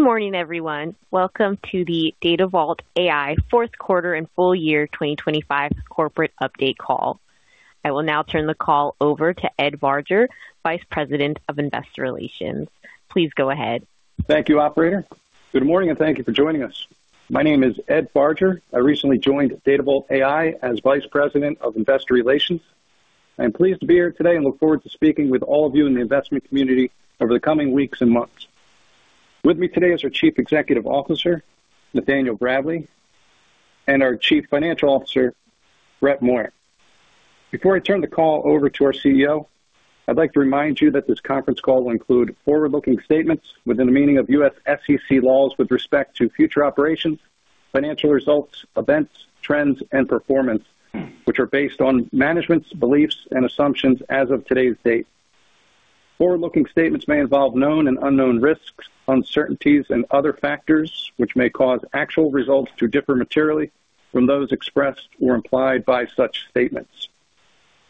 Good morning, everyone. Welcome to the Datavault AI Fourth Quarter and Full Year 2025 Corporate Update Call. I will now turn the call over to Ed Barger, Vice President of Investor Relations. Please go ahead. Thank you, operator. Good morning, and thank you for joining us. My name is Ed Barger. I recently joined Datavault AI as Vice President of Investor Relations. I'm pleased to be here today and look forward to speaking with all of you in the investment community over the coming weeks and months. With me today is our Chief Executive Officer, Nathaniel Bradley, and our Chief Financial Officer, Brett Moyer. Before I turn the call over to our CEO, I'd like to remind you that this conference call will include forward-looking statements within the meaning of U.S. SEC laws with respect to future operations, financial results, events, trends, and performance, which are based on management's beliefs and assumptions as of today's date. Forward-looking statements may involve known and unknown risks, uncertainties and other factors which may cause actual results to differ materially from those expressed or implied by such statements.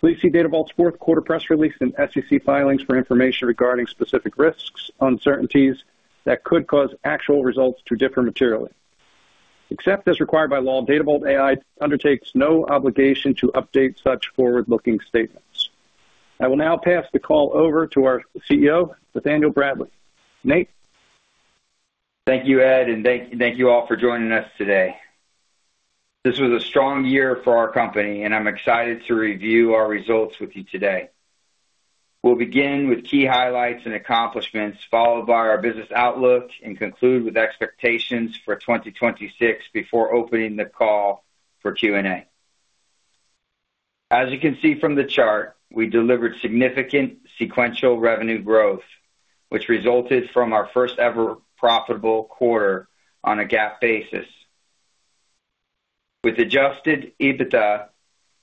Please see Datavault's fourth quarter press release and SEC filings for information regarding specific risks, uncertainties that could cause actual results to differ materially. Except as required by law, Datavault AI undertakes no obligation to update such forward-looking statements. I will now pass the call over to our CEO, Nathaniel Bradley. Nate. Thank you, Ed, and thank you all for joining us today. This was a strong year for our company, and I'm excited to review our results with you today. We'll begin with key highlights and accomplishments, followed by our business outlook and conclude with expectations for 2026 before opening the call for Q&A. As you can see from the chart, we delivered significant sequential revenue growth, which resulted from our first ever profitable quarter on a GAAP basis, with adjusted EBITDA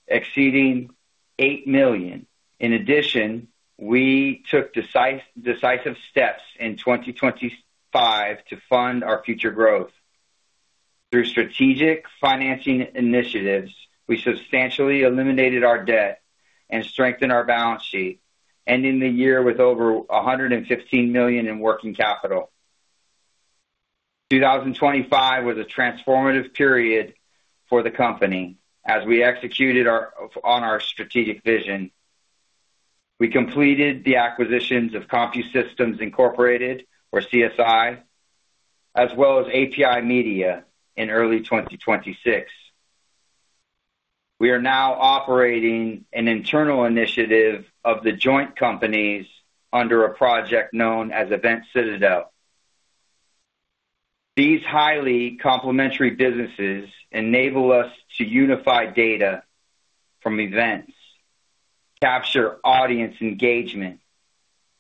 exceeding $8 million. In addition, we took decisive steps in 2025 to fund our future growth. Through strategic financing initiatives, we substantially eliminated our debt and strengthened our balance sheet, ending the year with over $115 million in working capital. 2025 was a transformative period for the company as we executed on our strategic vision. We completed the acquisitions of CompuSystems, Inc or CSI, as well as API Media in early 2026. We are now operating an internal initiative of the joint companies under a project known as Event Citadel. These highly complementary businesses enable us to unify data from events, capture audience engagement,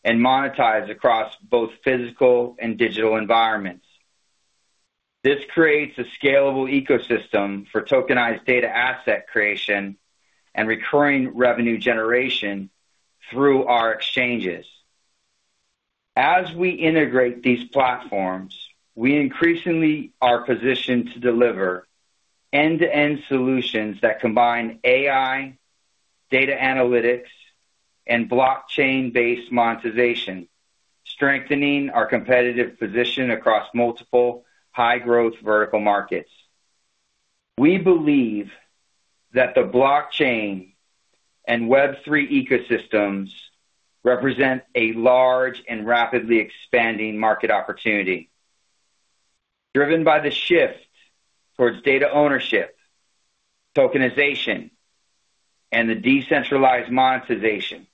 and monetize across both physical and digital environments. This creates a scalable ecosystem for tokenized data asset creation and recurring revenue generation through our exchanges. As we integrate these platforms, we increasingly are positioned to deliver end-to-end solutions that combine AI, data analytics, and blockchain-based monetization, strengthening our competitive position across multiple high-growth vertical markets. We believe that the blockchain and Web3 ecosystems represent a large and rapidly expanding market opportunity driven by the shift towards data ownership, tokenization, and the decentralized monetization.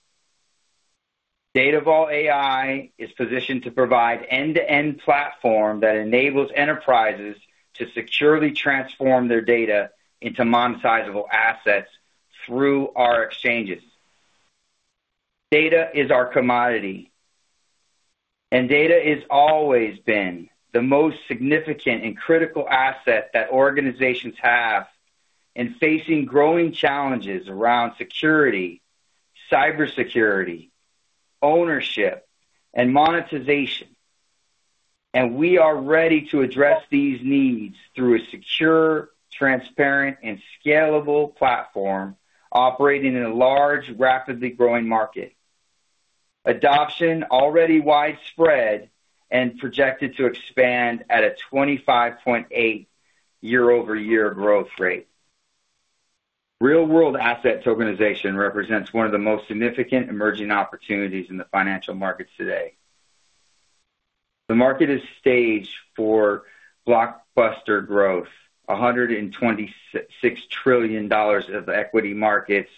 Datavault AI is positioned to provide end-to-end platform that enables enterprises to securely transform their data into monetizable assets through our exchanges. Data is our commodity, and data is always been the most significant and critical asset that organizations have in facing growing challenges around security, cybersecurity, ownership, and monetization. We are ready to address these needs through a secure, transparent, and scalable platform operating in a large, rapidly growing market. Adoption already widespread and projected to expand at a 25.8% year-over-year growth rate. Real-world asset tokenization represents one of the most significant emerging opportunities in the financial markets today. The market is staged for blockbuster growth. $126 trillion of equity markets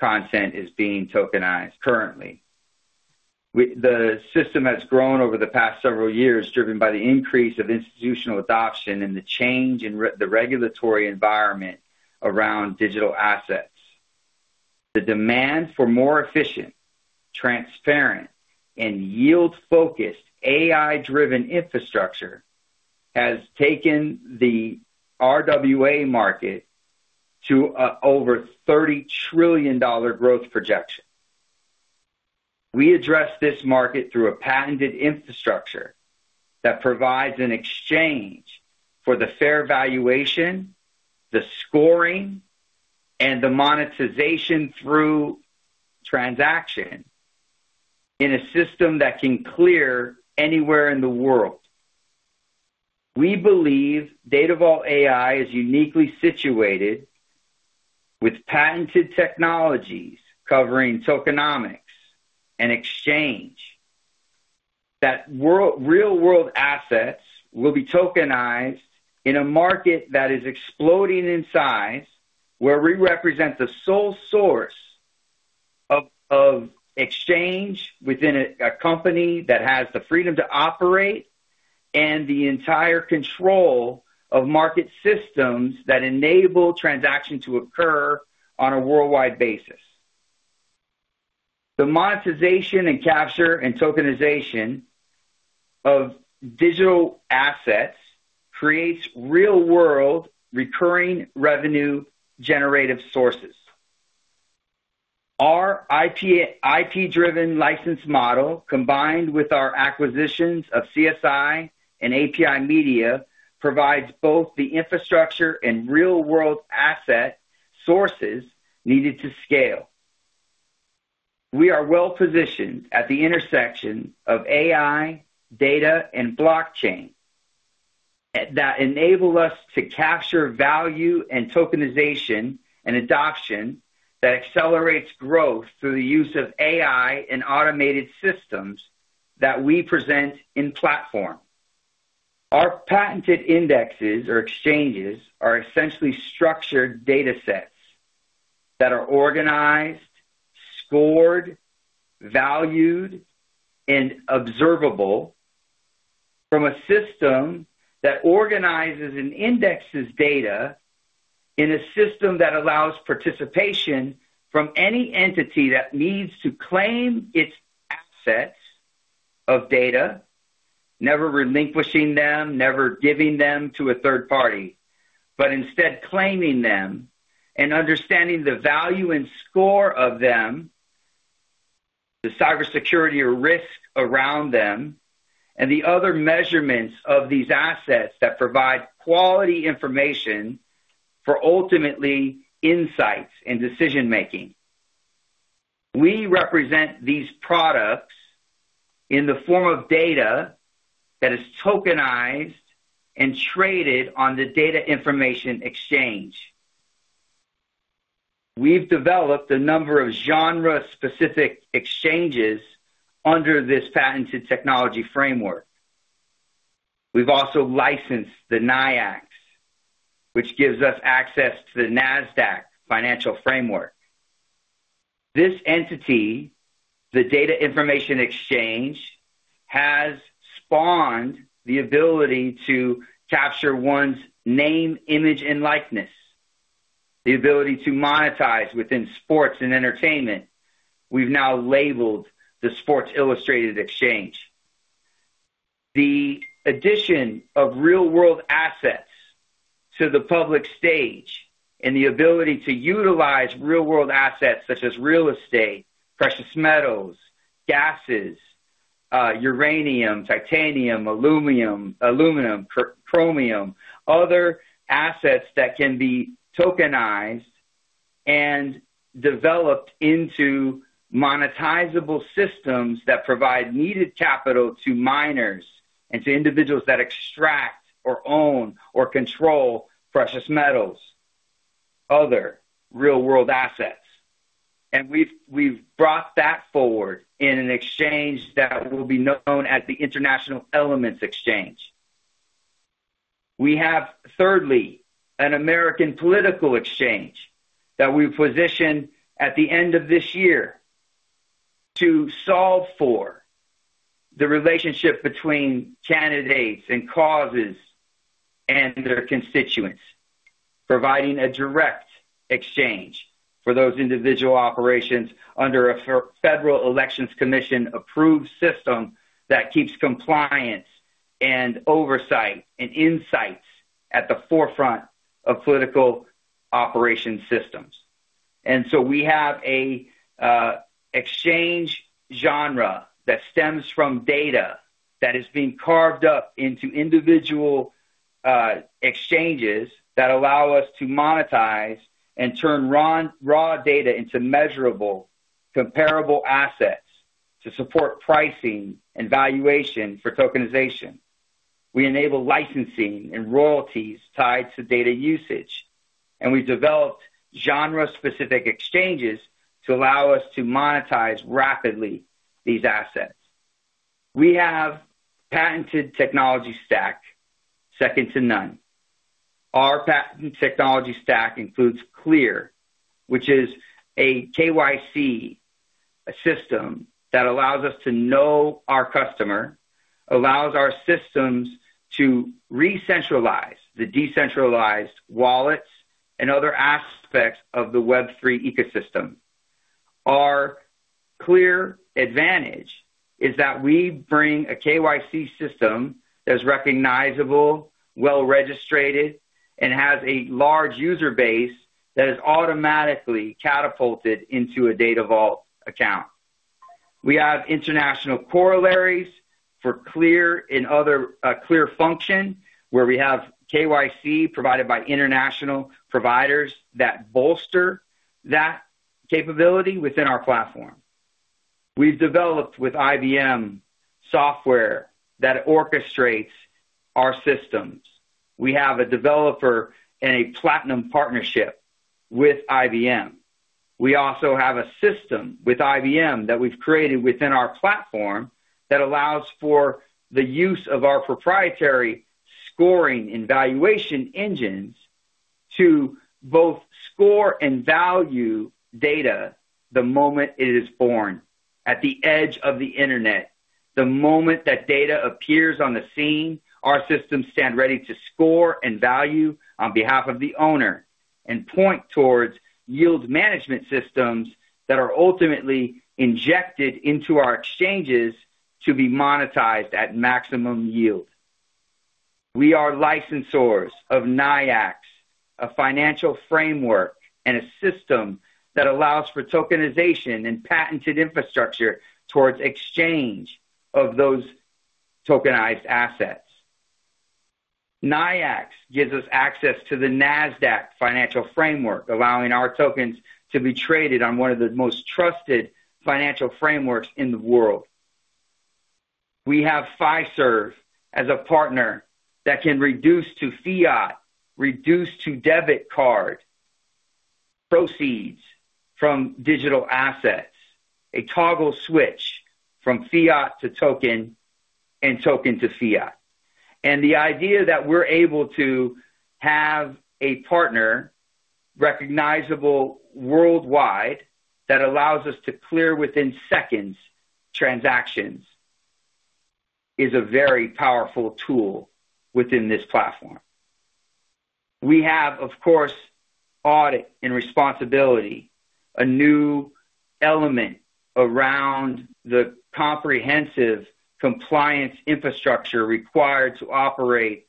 content is being tokenized currently. The system has grown over the past several years, driven by the increase of institutional adoption and the change in the regulatory environment around digital assets. The demand for more efficient, transparent, and yield-focused AI-driven infrastructure has taken the RWA market to over $30 trillion growth projection. We address this market through a patented infrastructure that provides an exchange for the fair valuation, the scoring, and the monetization through transaction in a system that can clear anywhere in the world. We believe Datavault AI is uniquely situated with patented technologies covering tokenomics and exchange that real-world assets will be tokenized in a market that is exploding in size, where we represent the sole source of exchange within a company that has the freedom to operate and the entire control of market systems that enable transaction to occur on a worldwide basis. The monetization and capture and tokenization of digital assets creates real-world recurring revenue generative sources. Our IP-driven license model, combined with our acquisitions of CSI and API Media, provides both the infrastructure and real-world asset sources needed to scale. We are well-positioned at the intersection of AI, data, and blockchain that enable us to capture value and tokenization and adoption that accelerates growth through the use of AI and automated systems that we present in platform. Our patented indexes or exchanges are essentially structured data sets that are organized, scored, valued, and observable from a system that organizes and indexes data in a system that allows participation from any entity that needs to claim its assets of data, never relinquishing them, never giving them to a third party, but instead claiming them and understanding the value and score of them, the cybersecurity risk around them, and the other measurements of these assets that provide quality information for ultimate insights and decision-making. We represent these products in the form of data that is tokenized and traded on the Information Data Exchange. We've developed a number of genre-specific exchanges under this patented technology framework. We've also licensed the NYIAX, which gives us access to the Nasdaq financial framework. This entity, the Information Data Exchange, has spawned the ability to capture one's name, image, and likeness, the ability to monetize within sports and entertainment. We've now labeled the Sports Illustrated Exchange. The addition of real-world assets to the public stage and the ability to utilize real-world assets such as real estate, precious metals, gases, uranium, titanium, aluminum, chromium, other assets that can be tokenized and developed into monetizable systems that provide needed capital to miners and to individuals that extract or own or control precious metals, other real-world assets. We've brought that forward in an exchange that will be known as the International Elements Exchange. We have, thirdly, an American Political Exchange that we position at the end of this year to solve for the relationship between candidates and causes and their constituents, providing a direct exchange for those individual operations under a Federal Election Commission approved system that keeps compliance and oversight and insights at the forefront of political operation systems. We have a exchange genre that stems from data that is being carved up into individual exchanges that allow us to monetize and turn raw data into measurable, comparable assets to support pricing and valuation for tokenization. We enable licensing and royalties tied to data usage, and we've developed genre-specific exchanges to allow us to monetize rapidly these assets. We have patented technology stack second to none. Our patented technology stack includes CLEAR, which is a KYC system that allows us to know our customer, allows our systems to recentralize the decentralized wallets and other aspects of the Web3 ecosystem. Our CLEAR advantage is that we bring a KYC system that's recognizable, well-regulated, and has a large user base that is automatically catapulted into a Datavault account. We have international corollaries for CLEAR and other CLEAR function where we have KYC provided by international providers that bolster that capability within our platform. We've developed with IBM software that orchestrates our systems. We have a developer and a platinum partnership with IBM. We also have a system with IBM that we've created within our platform that allows for the use of our proprietary scoring and valuation engines to both score and value data the moment it is born at the edge of the Internet. The moment that data appears on the scene, our systems stand ready to score and value on behalf of the owner and point towards yield management systems that are ultimately injected into our exchanges to be monetized at maximum yield. We are licensors of NYIAX, a financial framework and a system that allows for tokenization and patented infrastructure towards exchange of those tokenized assets. NYIAX gives us access to the Nasdaq financial framework, allowing our tokens to be traded on one of the most trusted financial frameworks in the world. We have Fiserv as a partner that can reduce to fiat, reduce to debit card proceeds from digital assets. A toggle switch from fiat to token and token to fiat. The idea that we're able to have a partner recognizable worldwide that allows us to clear within seconds transactions is a very powerful tool within this platform. We have, of course, audit and responsibility, a new element around the comprehensive compliance infrastructure required to operate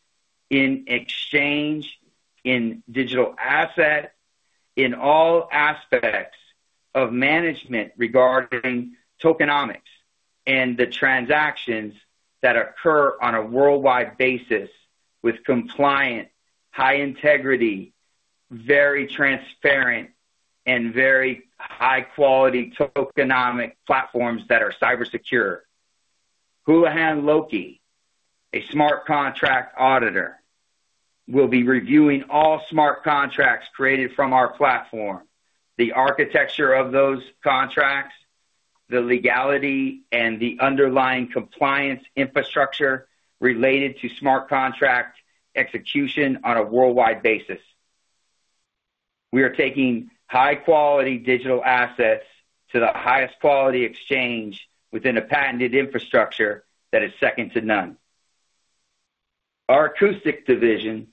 an exchange in digital assets in all aspects of management regarding tokenomics and the transactions that occur on a worldwide basis with compliant, high integrity, very transparent and very high-quality tokenomics platforms that are cyber secure. Houlihan Lokey, a smart contract auditor, will be reviewing all smart contracts created from our platform, the architecture of those contracts, the legality and the underlying compliance infrastructure related to smart contract execution on a worldwide basis. We are taking high-quality digital assets to the highest quality exchange within a patented infrastructure that is second to none. Our acoustic division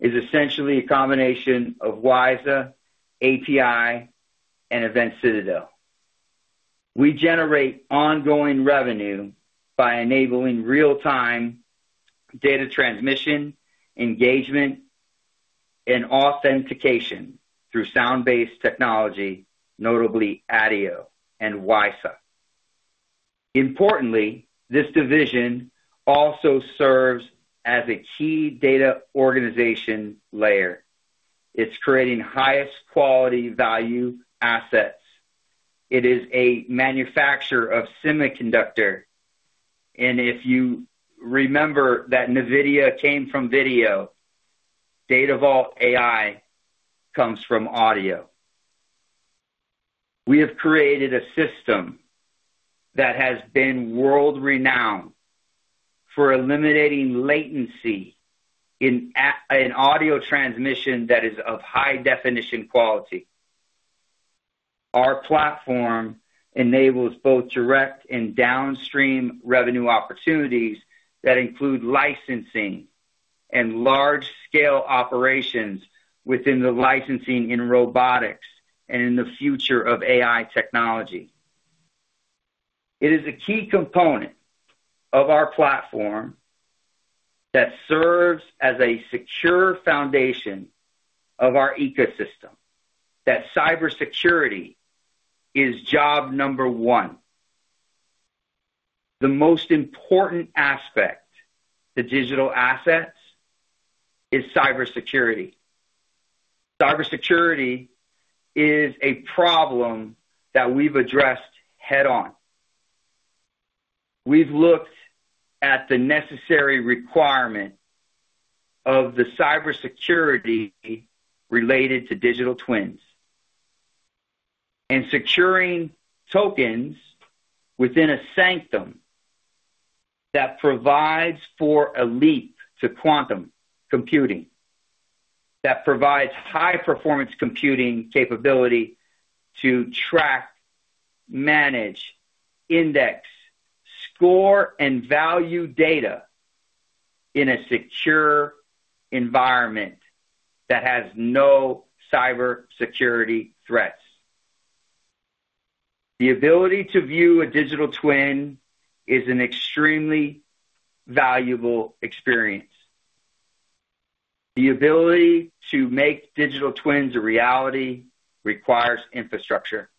is essentially a combination of WiSA, API, and Event Citadel. We generate ongoing revenue by enabling real-time data transmission, engagement, and authentication through sound-based technology, notably ADIO and WiSA. Importantly, this division also serves as a key data organization layer. It's creating highest quality value assets. It is a manufacturer of semiconductor. If you remember that NVIDIA came from video, Datavault AI comes from audio. We have created a system that has been world-renowned for eliminating latency in audio transmission that is of high definition quality. Our platform enables both direct and downstream revenue opportunities that include licensing and large-scale operations within the licensing in robotics and in the future of AI technology. It is a key component of our platform that serves as a secure foundation of our ecosystem, that cybersecurity is job number one. The most important aspect to digital assets is cybersecurity. Cybersecurity is a problem that we've addressed head on. We've looked at the necessary requirement of the cybersecurity related to digital twins and securing tokens within a SanQtum that provides for a leap to quantum computing, that provides high performance computing capability to track, manage, index, score, and value data in a secure environment that has no cybersecurity threats. The ability to view a digital twin is an extremely valuable experience. The ability to make digital twins a reality requires infrastructure.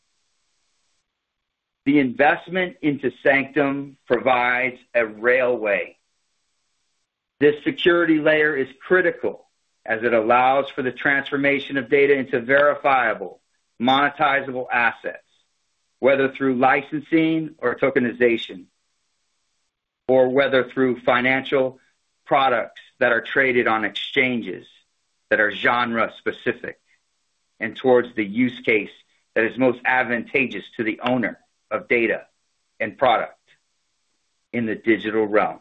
The investment into SanQtum provides a railway. This security layer is critical as it allows for the transformation of data into verifiable, monetizable assets, whether through licensing or tokenization, or whether through financial products that are traded on exchanges that are genre-specific and towards the use case that is most advantageous to the owner of data and product in the digital realm.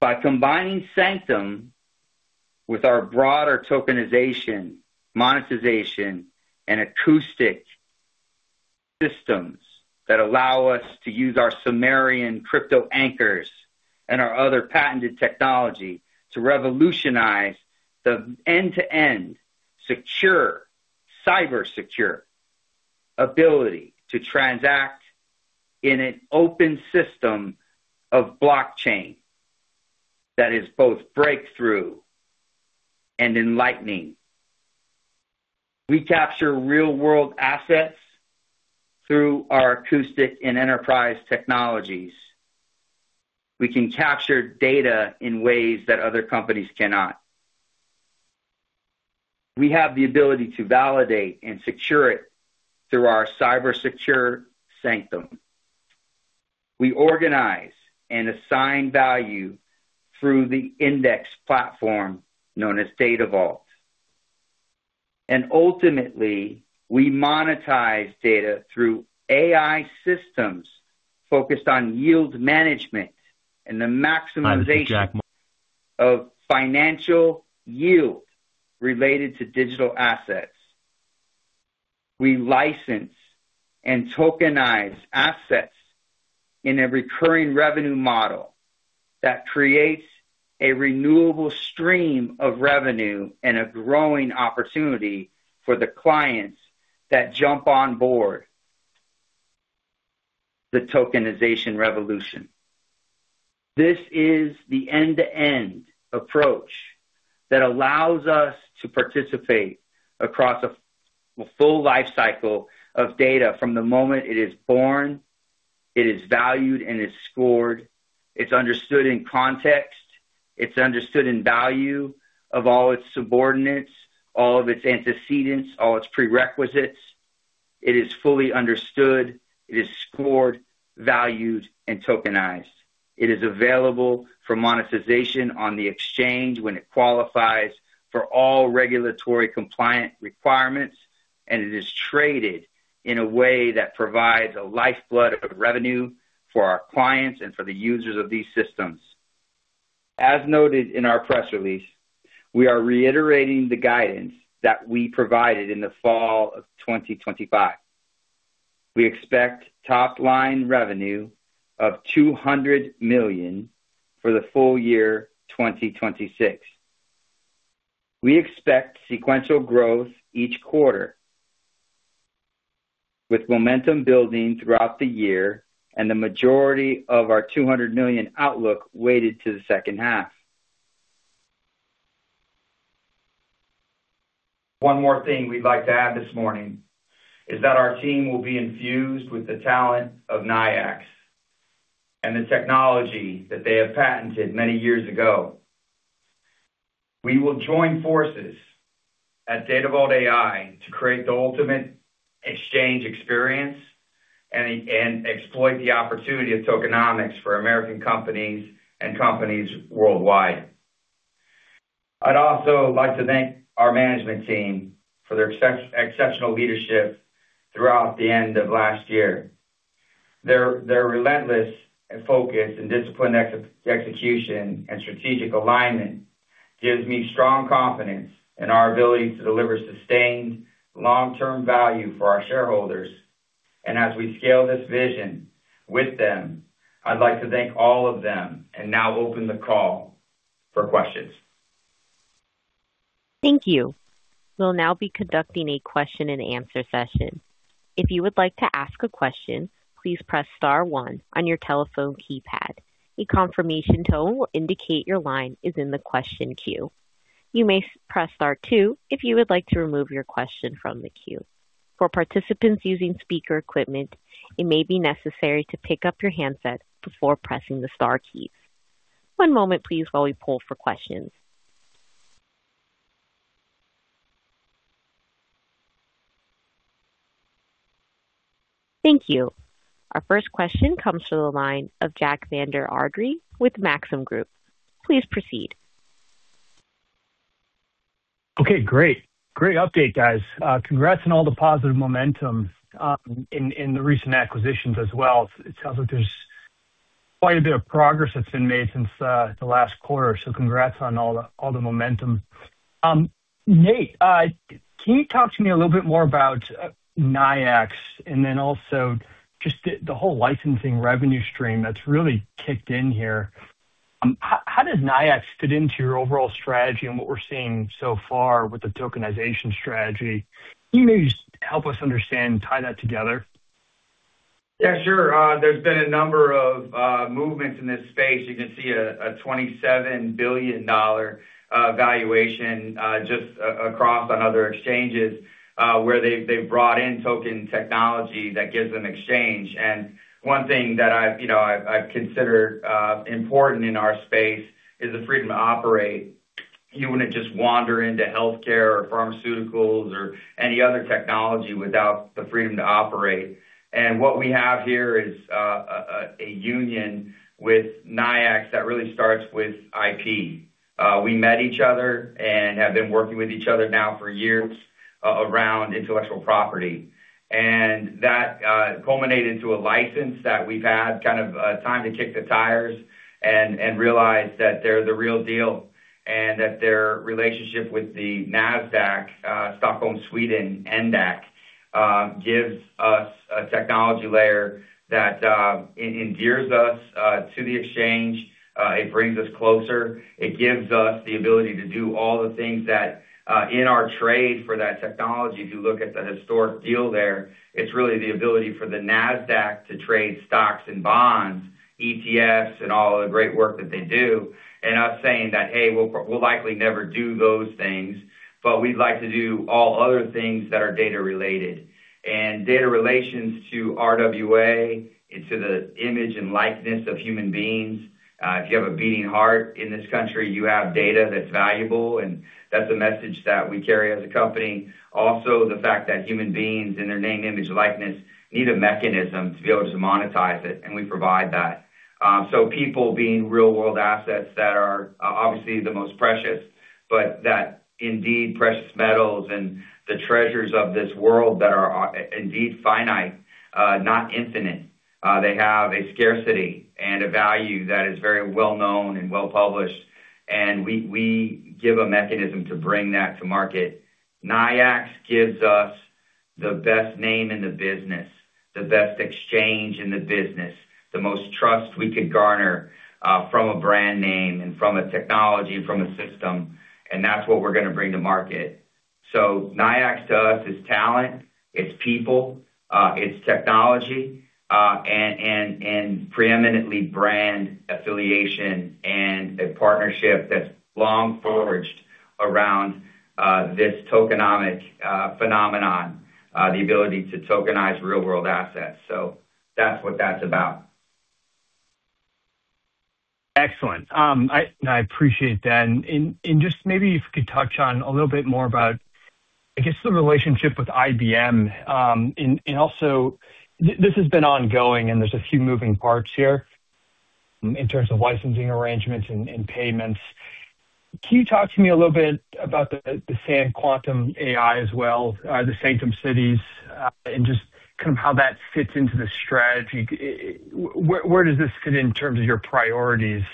By combining SanQtum with our broader tokenization, monetization, and acoustic systems that allow us to use our Sumerian crypto-anchors and our other patented technology to revolutionize the end-to-end, secure, cyber secure ability to transact in an open system of blockchain that is both breakthrough and enlightening. We capture real-world assets through our acoustic and enterprise technologies. We can capture data in ways that other companies cannot. We have the ability to validate and secure it through our cyber secure SanQtum. We organize and assign value through the index platform known as Datavault. Ultimately, we monetize data through AI systems focused on yield management and the maximization of financial yield related to digital assets. We license and tokenize assets in a recurring revenue model that creates a renewable stream of revenue and a growing opportunity for the clients that jump on board the tokenization revolution. This is the end-to-end approach that allows us to participate across a full lifecycle of data from the moment it is born, it is valued and is scored, it's understood in context, it's understood in value of all its subordinates, all of its antecedents, all its prerequisites. It is fully understood, it is scored, valued, and tokenized. It is available for monetization on the exchange when it qualifies for all regulatory compliant requirements, and it is traded in a way that provides a lifeblood of revenue for our clients and for the users of these systems. As noted in our press release, we are reiterating the guidance that we provided in the fall of 2025. We expect top line revenue of $200 million for the full year 2026. We expect sequential growth each quarter, with momentum building throughout the year and the majority of our $200 million outlook weighted to the second half. One more thing we'd like to add this morning is that our team will be infused with the talent of NYIAX and the technology that they have patented many years ago. We will join forces at Datavault AI to create the ultimate exchange experience and exploit the opportunity of tokenomics for American companies and companies worldwide. I'd also like to thank our management team for their exceptional leadership throughout the end of last year. Their relentless focus and disciplined execution and strategic alignment gives me strong confidence in our ability to deliver sustained long-term value for our shareholders. As we scale this vision with them, I'd like to thank all of them and now open the call for questions. Thank you. We'll now be conducting a question-and-answer session. If you would like to ask a question, please press star one on your telephone keypad. A confirmation tone will indicate your line is in the question queue. You may press star two if you would like to remove your question from the queue. For participants using speaker equipment, it may be necessary to pick up your handset before pressing the star keys. One moment please while we poll for questions. Thank you. Our first question comes to the line of Jack Vander Aarde with Maxim Group. Please proceed. Okay, great. Great update, guys. Congrats on all the positive momentum in the recent acquisitions as well. It sounds like there's quite a bit of progress that's been made since the last quarter. Congrats on all the momentum. Nate, can you talk to me a little bit more about NYIAX and then also just the whole licensing revenue stream that's really kicked in here. How does NYIAX fit into your overall strategy and what we're seeing so far with the tokenization strategy? Can you maybe just help us understand, tie that together? Yeah, sure. There's been a number of movements in this space. You can see a $27 billion valuation just across on other exchanges, where they've brought in token technology that gives them exchange. One thing that I've, you know, considered important in our space is the freedom to operate. You wouldn't just wander into healthcare or pharmaceuticals or any other technology without the freedom to operate. What we have here is a union with NYIAX that really starts with IP. We met each other and have been working with each other now for years around intellectual property. That culminated into a license that we've had kind of time to kick the tires and realize that they're the real deal, and that their relationship with the Nasdaq Stockholm, Sweden, gives us a technology layer that endears us to the exchange. It brings us closer. It gives us the ability to do all the things that in our trade for that technology. If you look at the historic deal there, it's really the ability for the Nasdaq to trade stocks and bonds, ETFs, and all the great work that they do. Us saying that, "Hey, we'll likely never do those things, but we'd like to do all other things that are data related." Data relations to RWA into the image and likeness of human beings. If you have a beating heart in this country, you have data that's valuable, and that's a message that we carry as a company. Also, the fact that human beings and their name, image, likeness need a mechanism to be able to monetize it, and we provide that. People being real world assets that are obviously the most precious, but that indeed precious metals and the treasures of this world that are indeed finite, not infinite. They have a scarcity and a value that is very well known and well published, and we give a mechanism to bring that to market. NYIAX gives us the best name in the business, the best exchange in the business, the most trust we could garner from a brand name and from a technology and from a system, and that's what we're gonna bring to market. NYIAX to us is talent, it's people, it's technology, and preeminently brand affiliation and a partnership that's long forged around this tokenomics phenomenon, the ability to tokenize real-world assets. That's what that's about. Excellent. I appreciate that. Just maybe if you could touch on a little bit more about, I guess, the relationship with IBM, and also this has been ongoing, and there's a few moving parts here in terms of licensing arrangements and payments. Can you talk to me a little bit about the SanQtum AI as well, the SanQtum cities, and just kind of how that fits into the strategy? Where does this fit in terms of your priorities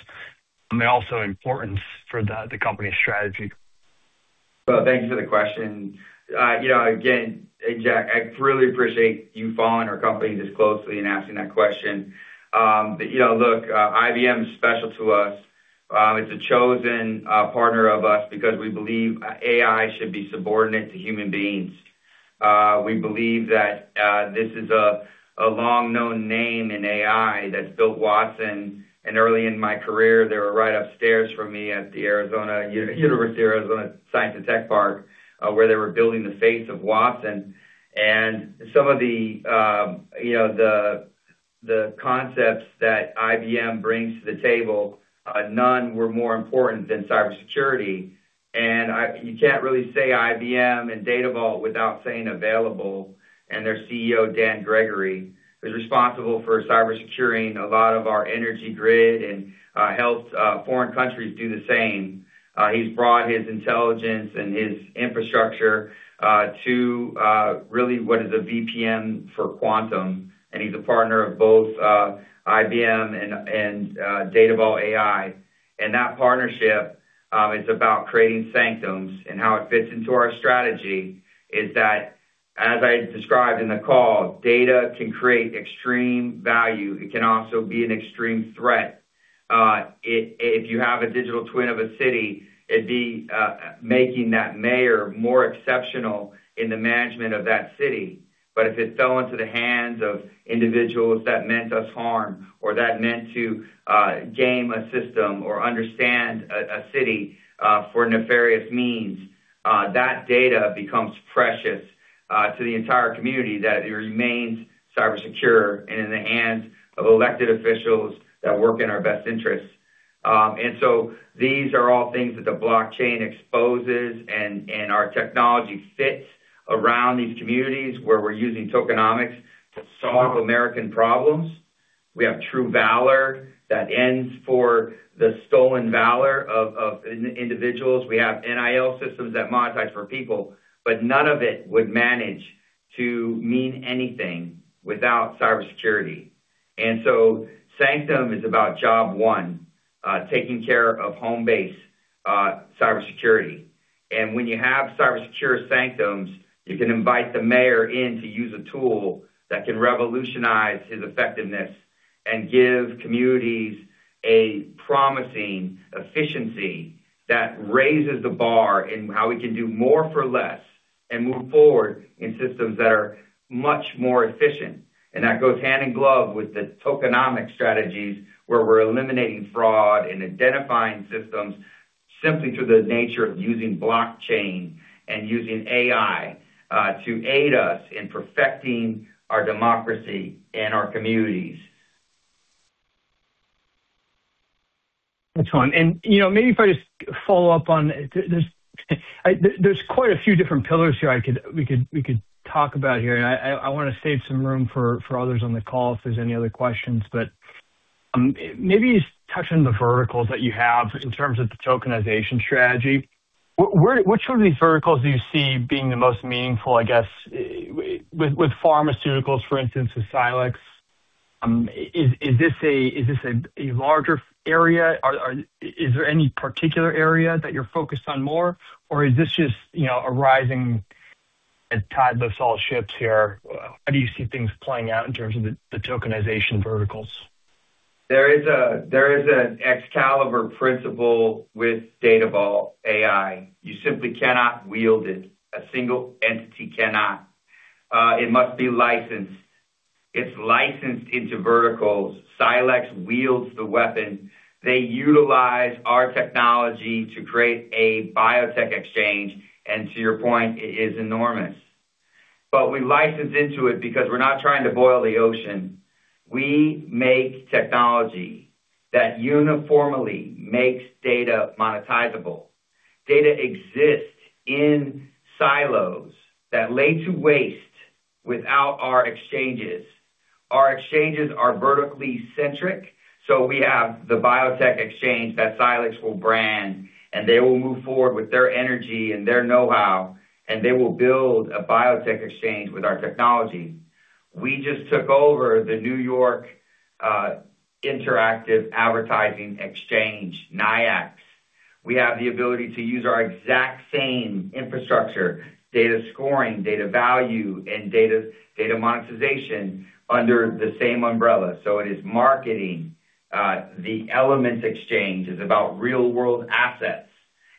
and also importance for the company's strategy? Well, thank you for the question. You know, again, Jack, I really appreciate you following our company this closely and asking that question. You know, look, IBM is special to us. It's a chosen partner of us because we believe AI should be subordinate to human beings. We believe that this is a long-known name in AI that's built Watson. Early in my career, they were right upstairs from me at the University of Arizona Science and Tech Park, where they were building the face of Watson. Some of the concepts that IBM brings to the table, none were more important than cybersecurity. You can't really say IBM and Datavault without saying available. Their CEO, Dan Gregory, is responsible for cyber securing a lot of our energy grid and helps foreign countries do the same. He's brought his intelligence and his infrastructure to really what is a VPN for Quantum, and he's a partner of both IBM and Datavault AI. That partnership is about creating SanQtum and how it fits into our strategy is that, as I described in the call, data can create extreme value. It can also be an extreme threat. If you have a digital twin of a city, it'd be making that mayor more exceptional in the management of that city. If it fell into the hands of individuals that meant us harm or that meant to game a system or understand a city for nefarious means, that data becomes precious to the entire community that it remains cybersecure and in the hands of elected officials that work in our best interests. These are all things that the blockchain exposes and our technology fits around these communities where we're using tokenomics to solve American problems. We have True Valor that ends for the stolen valor of individuals. We have NIL systems that monetize for people, but none of it would manage to mean anything without cybersecurity. SanQtum is about job one, taking care of home base, cybersecurity. When you have cybersecure SanQtum, you can invite the mayor in to use a tool that can revolutionize his effectiveness. Give communities a promising efficiency that raises the bar in how we can do more for less and move forward in systems that are much more efficient. That goes hand in glove with the tokenomics strategies, where we're eliminating fraud and identifying systems simply through the nature of using blockchain and using AI to aid us in perfecting our democracy and our communities. That's one. You know, maybe if I just follow up on. There's quite a few different pillars here we could talk about here, and I wanna save some room for others on the call if there's any other questions. Maybe touch on the verticals that you have in terms of the tokenization strategy. Which one of these verticals do you see being the most meaningful, I guess, with pharmaceuticals, for instance, with Scilex? Is this a larger area? Is there any particular area that you're focused on more, or is this just, you know, a rising tide lifts all ships here? How do you see things playing out in terms of the tokenization verticals? There is an excalibur principle with Datavault AI. You simply cannot wield it. A single entity cannot. It must be licensed. It's licensed into verticals. Scilex wields the weapon. They utilize our technology to create a biotech exchange, and to your point, it is enormous. We license into it because we're not trying to boil the ocean. We make technology that uniformly makes data monetizable. Data exists in silos that lie to waste without our exchanges. Our exchanges are vertically centric. We have the biotech exchange that Scilex will brand, and they will move forward with their energy and their know-how, and they will build a biotech exchange with our technology. We just took over the New York Interactive Advertising Exchange, NYIAX. We have the ability to use our exact same infrastructure, data scoring, data value, and data monetization under the same umbrella. It is marketing. The Elements Exchange is about real-world assets,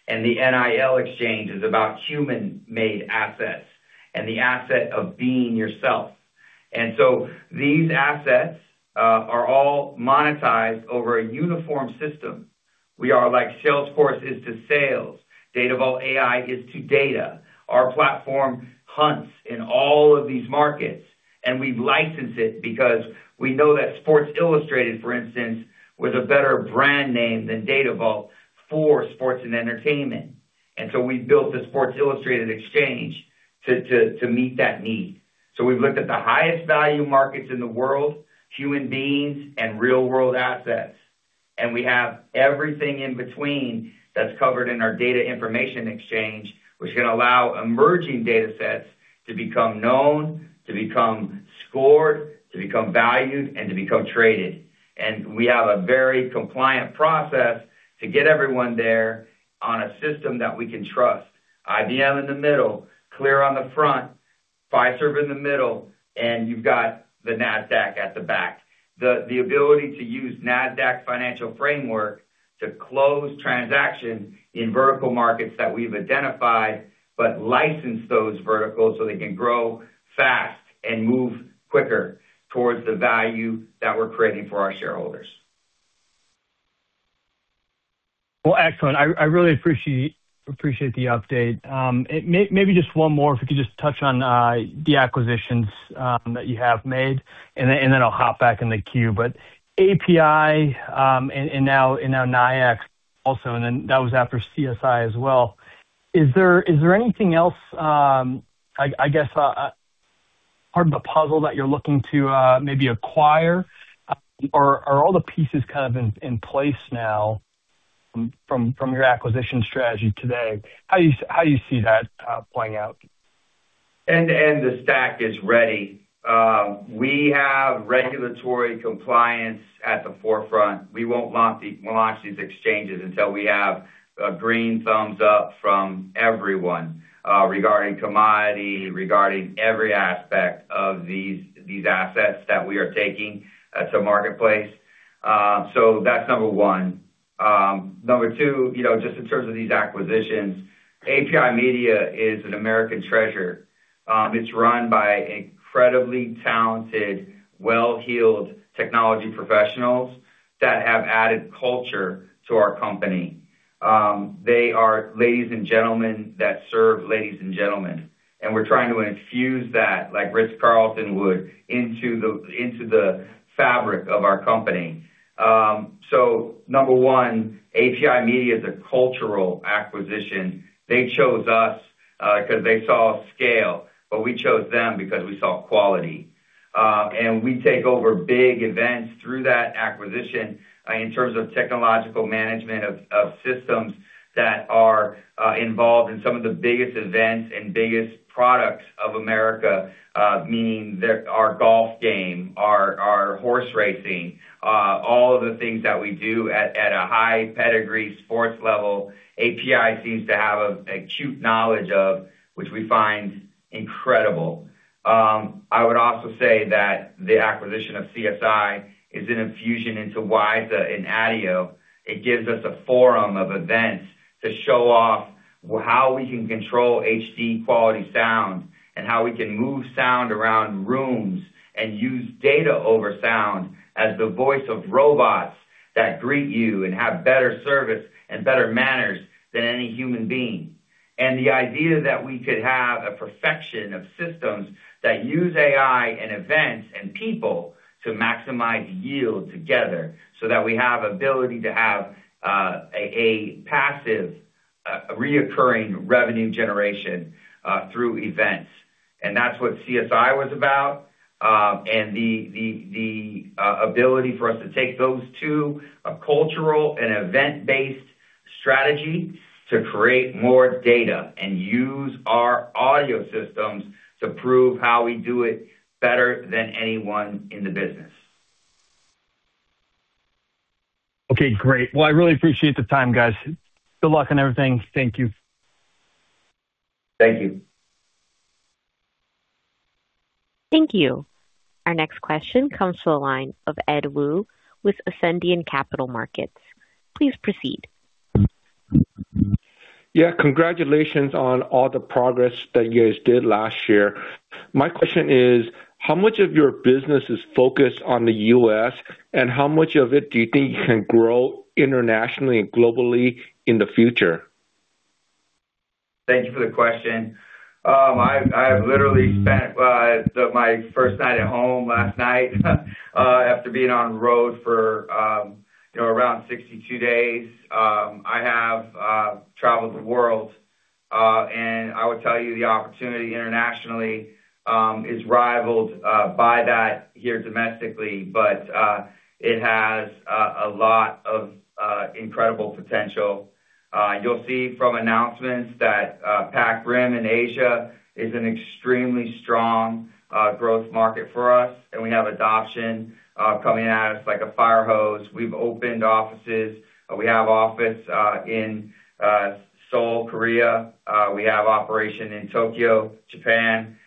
and the NIL Exchange is about human-made assets and the asset of being yourself. These assets are all monetized over a uniform system. We are like Salesforce is to sales. Datavault AI is to data. Our platform hunts in all of these markets, and we've licensed it because we know that Sports Illustrated, for instance, was a better brand name than Datavault for sports and entertainment. We built the Sports Illustrated Exchange to meet that need. We've looked at the highest value markets in the world, human beings and real-world assets. We have everything in between that's covered in our Information Data Exchange, which can allow emerging datasets to become known, to become scored, to become valued, and to become traded. We have a very compliant process to get everyone there on a system that we can trust. IBM in the middle, CLEAR on the front, Fiserv in the middle, and you've got the Nasdaq at the back. The ability to use Nasdaq financial framework to close transactions in vertical markets that we've identified, but license those verticals so they can grow fast and move quicker towards the value that we're creating for our shareholders. Well, excellent. I really appreciate the update. Maybe just one more, if we could just touch on the acquisitions that you have made, and then I'll hop back in the queue. But API, and now NYIAX also, and then that was after CSI as well. Is there anything else, I guess, part of the puzzle that you're looking to maybe acquire? Or are all the pieces kind of in place now from your acquisition strategy today? How do you see that playing out? End-to-end, the stack is ready. We have regulatory compliance at the forefront. We'll launch these exchanges until we have a green thumbs up from everyone regarding commodity, regarding every aspect of these assets that we are taking to marketplace. So that's number one. Number two, you know, just in terms of these acquisitions, API Media is an American treasure. It's run by incredibly talented, well-heeled technology professionals that have added culture to our company. They are ladies and gentlemen that serve ladies and gentlemen. We're trying to infuse that, like Ritz-Carlton would, into the fabric of our company. So number one, API Media is a cultural acquisition. They chose us 'cause they saw scale, but we chose them because we saw quality. We take over big events through that acquisition, in terms of technological management of systems that are involved in some of the biggest events and biggest products of America, meaning that our golf game, our horse racing, all of the things that we do at a high pedigree sports level. API seems to have an acute knowledge of which we find incredible. I would also say that the acquisition of CSI is an infusion into WiSA and ADIO. It gives us a forum of events to show off how we can control HD quality sound and how we can move sound around rooms and use data over sound as the voice of robots that greet you and have better service and better manners than any human being. The idea that we could have a perfection of systems that use AI and events and people to maximize yield together so that we have ability to have a passive recurring revenue generation through events. That's what CSI was about. The ability for us to take those two, a cultural and event-based strategy to create more data and use our audio systems to prove how we do it better than anyone in the business. Okay, great. Well, I really appreciate the time, guys. Good luck on everything. Thank you. Thank you. Thank you. Our next question comes to the line of Ed Woo with Ascendiant Capital Markets. Please proceed. Yeah, congratulations on all the progress that you guys did last year. My question is, how much of your business is focused on the U.S., and how much of it do you think can grow internationally and globally in the future? Thanks for the question. I've literally spent my first night at home last night after being on the road for, you know, around 62 days. I have traveled the world, and I would tell you the opportunity internationally is rivaled by that here domestically. It has a lot of incredible potential. You'll see from announcements that PacRim in Asia is an extremely strong growth market for us, and we have adoption coming at us like a fire hose. We've opened offices. We have office in Seoul, Korea. We have operation in Tokyo, Japan.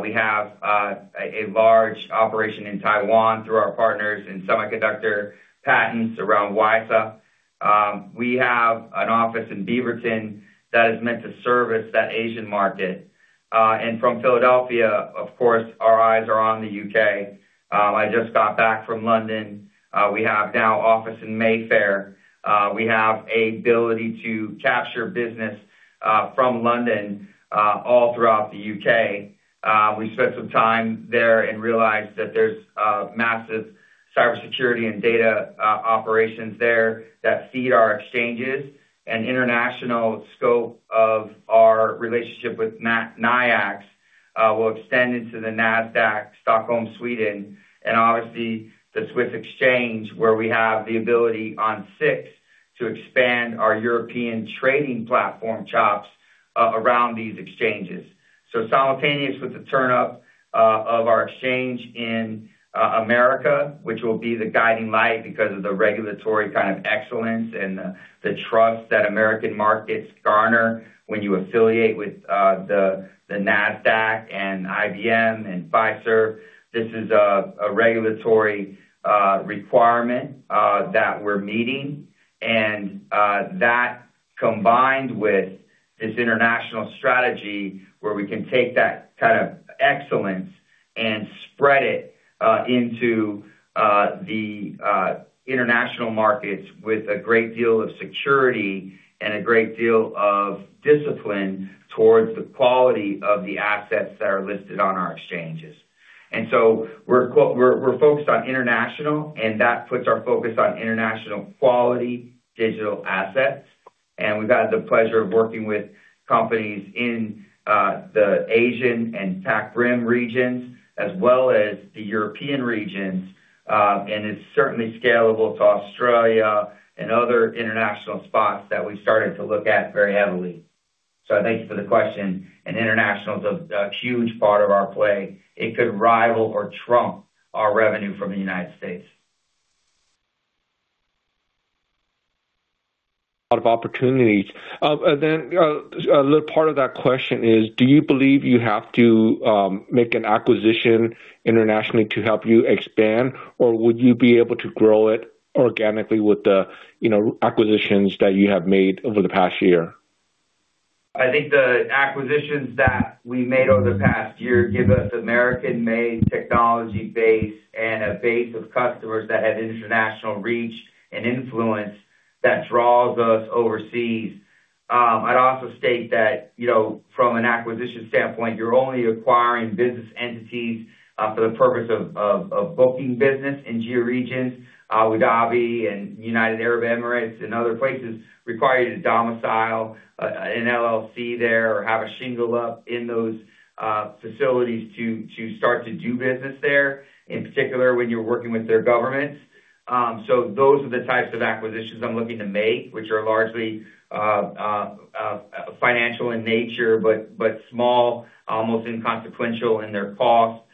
We have a large operation in Taiwan through our partners in semiconductor patents around WiSA. We have an office in Beaverton that is meant to service that Asian market. From Philadelphia, of course, our eyes are on the U.K. I just got back from London. We have now office in Mayfair. We have ability to capture business from London all throughout the U.K. We spent some time there and realized that there's massive cybersecurity and data operations there that feed our exchanges. International scope of our relationship with NYIAX will extend into the Nasdaq Stockholm, Sweden, and obviously the Swiss exchange, where we have the ability on SIX to expand our European trading platform chops around these exchanges. Simultaneous with the turn-up of our exchange in America, which will be the guiding light because of the regulatory kind of excellence and the trust that American markets garner when you affiliate with the Nasdaq and IBM and Fiserv. This is a regulatory requirement that we're meeting. That combined with this international strategy where we can take that kind of excellence and spread it into the international markets with a great deal of security and a great deal of discipline towards the quality of the assets that are listed on our exchanges. We're focused on international, and that puts our focus on international quality digital assets. We've had the pleasure of working with companies in the Asian and PacRim regions as well as the European regions. It's certainly scalable to Australia and other international spots that we started to look at very heavily. Thank you for the question. International is a huge part of our play. It could rival or trump our revenue from the United States. A lot of opportunities. A little part of that question is, do you believe you have to make an acquisition internationally to help you expand, or would you be able to grow it organically with the, you know, acquisitions that you have made over the past year? I think the acquisitions that we made over the past year give us American-made technology base and a base of customers that have international reach and influence that draws us overseas. I'd also state that, you know, from an acquisition standpoint, you're only acquiring business entities for the purpose of booking business in geo regions. Abu Dhabi and United Arab Emirates and other places require you to domicile an LLC there or have a shingle up in those facilities to start to do business there, in particular when you're working with their governments. Those are the types of acquisitions I'm looking to make, which are largely financial in nature, but small, almost inconsequential in their costs,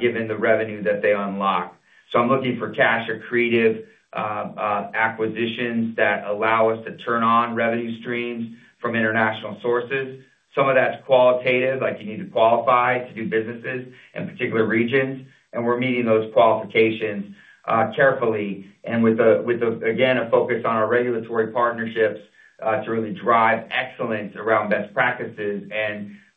given the revenue that they unlock. I'm looking for cash accretive acquisitions that allow us to turn on revenue streams from international sources. Some of that's qualitative, like you need to qualify to do businesses in particular regions, and we're meeting those qualifications carefully and with a, again, a focus on our regulatory partnerships to really drive excellence around best practices.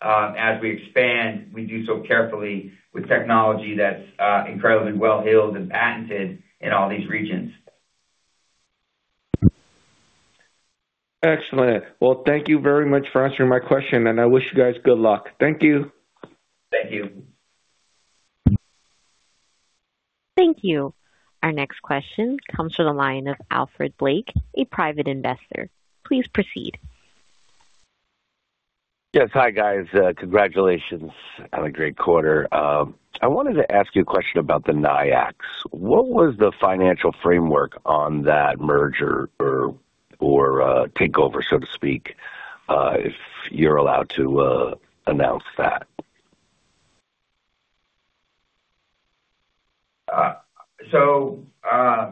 As we expand, we do so carefully with technology that's incredibly well-heeled and patented in all these regions. Excellent. Well, thank you very much for answering my question, and I wish you guys good luck. Thank you. Thank you. Thank you. Our next question comes from the line of Alfred Blake, a private investor. Please proceed. Yes. Hi, guys. Congratulations on a great quarter. I wanted to ask you a question about the NYIAX. What was the financial framework on that merger or takeover, so to speak, if you're allowed to announce that? I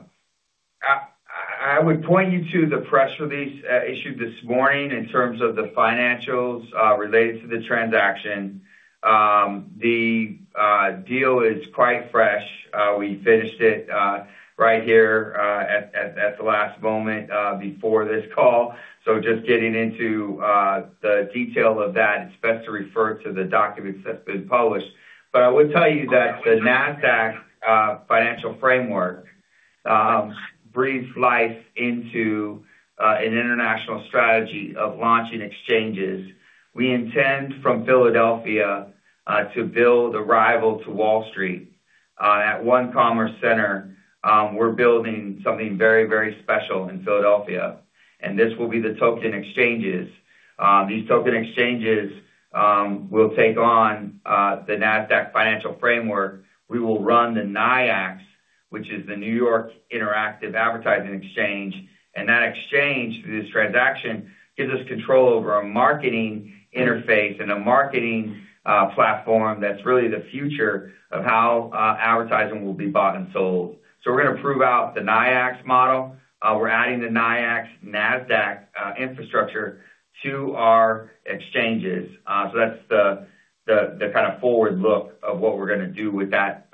would point you to the press release issued this morning in terms of the financials related to the transaction. The deal is quite fresh. We finished it right here at the last moment before this call. Just getting into the detail of that, it's best to refer to the documents that's been published. I would tell you that the Nasdaq financial framework breathes life into an international strategy of launching exchanges. We intend from Philadelphia to build a rival to Wall Street. At One Commerce Center, we're building something very special in Philadelphia, and this will be the token exchanges. These token exchanges will take on the Nasdaq financial framework. We will run the NYIAX, which is the New York Interactive Advertising Exchange. That exchange, through this transaction, gives us control over a marketing interface and a marketing platform that's really the future of how advertising will be bought and sold. We're gonna prove out the NYIAX model. We're adding the NYIAX Nasdaq infrastructure to our exchanges. That's the kinda forward look of what we're gonna do with that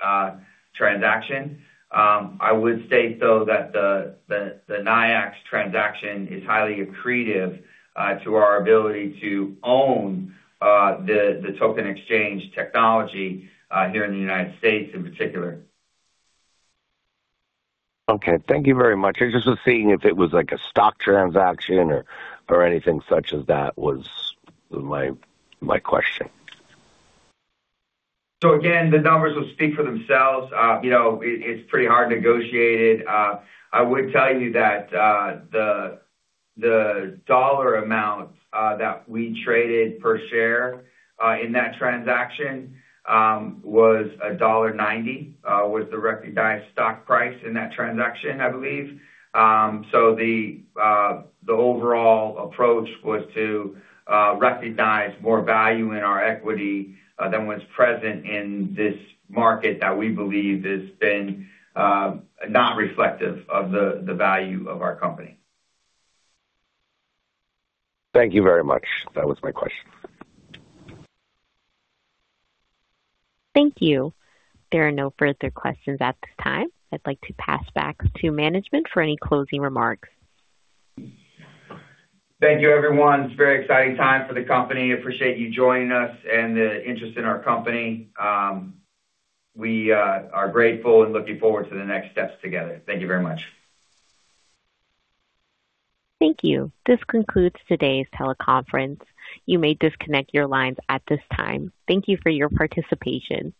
transaction. I would say though that the NYIAX transaction is highly accretive to our ability to own the token exchange technology here in the United States in particular. Okay. Thank you very much. I just was seeing if it was like a stock transaction or anything such as that, was my question. Again, the numbers will speak for themselves. You know, it's pretty hard negotiated. I would tell you that the dollar amount that we traded per share in that transaction was $1.90, the recognized stock price in that transaction, I believe. The overall approach was to recognize more value in our equity than what's present in this market that we believe has been not reflective of the value of our company. Thank you very much. That was my question. Thank you. There are no further questions at this time. I'd like to pass back to management for any closing remarks. Thank you, everyone. It's a very exciting time for the company. I appreciate you joining us and the interest in our company. We are grateful and looking forward to the next steps together. Thank you very much. Thank you. This concludes today's teleconference. You may disconnect your lines at this time. Thank you for your participation.